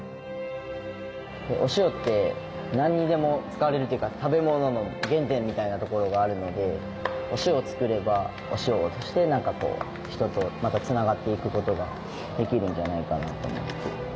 お塩ってなんにでも使われるというか食べ物の原点みたいなところがあるのでお塩をつくればお塩を通してなんかこう人とまた繋がっていく事ができるんじゃないかなと思って。